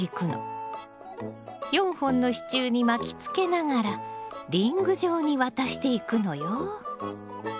４本の支柱に巻きつけながらリング状に渡していくのよ。